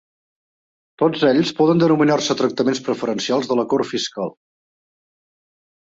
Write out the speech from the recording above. Tots ells poden denominar-se tractaments preferencials de l'acord fiscal.